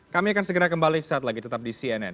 kami akan segera kembali saat lagi tetap di cnn